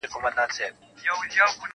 خدایه هیله مي شاعره کړې ارمان راته شاعر کړې-